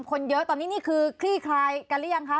คนเยอะตอนนี้นี่คือคลี่คลายกันหรือยังคะ